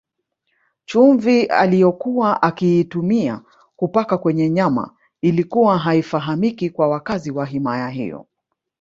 Chumvi aliyokuwa akiitumia kupaka kwenye nyama ilikuwa haifahamiki kwa wakazi wa himaya hiyo